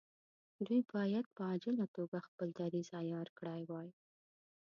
دوی باید په عاجله توګه خپل دریځ عیار کړی وای.